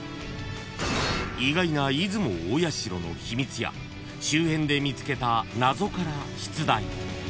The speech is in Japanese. ［意外な出雲大社の秘密や周辺で見つけた謎から出題］